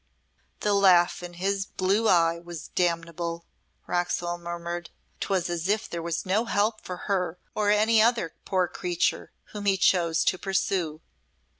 "The laugh in his blue eye was damnable," Roxholm murmured. "'Twas as if there was no help for her or any other poor creature whom he chose to pursue.